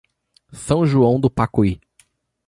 São João do Pacuí